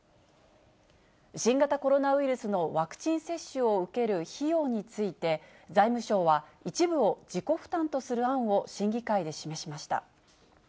新型コロナウイルスのワクチン接種を受ける費用について、財務省は、一部を自己負担とする案を審議会で示しました。